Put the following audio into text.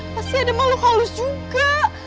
pasti ada malu halus juga